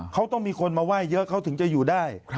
เขาต้องมีคนมาไหว้เยอะเขาถึงจะอยู่ได้